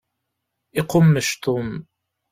Iqummec Tom.